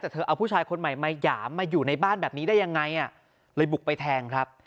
แต่เธอเอาผู้ชายคนใหม่มาหยามมาอยู่ในบ้านแบบนี้ได้ยังไงเลยบุกไปแทงครับ